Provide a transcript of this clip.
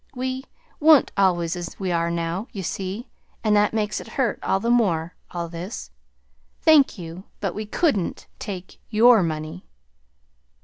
We wa'n't always as we are now, you see; and that makes it hurt all the more all this. Thank you; but we couldn't take your money."